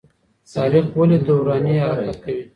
تاريخ ولي دوراني حرکت کوي؟